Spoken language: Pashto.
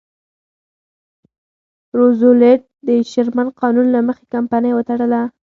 روزولټ د شرمن قانون له مخې کمپنۍ وتړله.